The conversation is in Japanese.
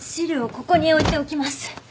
ここに置いておきます。